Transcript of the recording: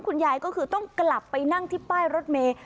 คุณยายก็คือต้องกลับไปนั่งที่ป้ายรถเมย์